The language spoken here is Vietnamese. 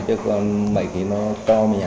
chứ mấy khi nó cho mình ạ